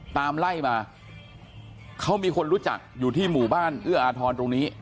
ตามไล่มาเขามีคนรู้จักอยู่ที่หมู่บ้านเอื้ออาทรตรงนี้